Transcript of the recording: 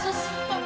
kur sapu dia mbak